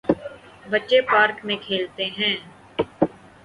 بچے پارک میں کھیلتے ہیں۔